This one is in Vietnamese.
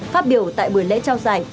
phát biểu tại buổi lễ trao giải